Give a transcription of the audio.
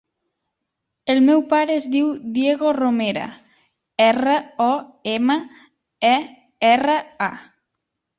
El meu pare es diu Diego Romera: erra, o, ema, e, erra, a.